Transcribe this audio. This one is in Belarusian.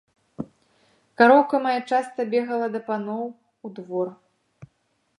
Кароўка мая часта бегала да паноў у двор.